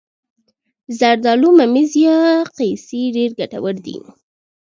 د زردالو ممیز یا قیسی ډیر ګټور دي.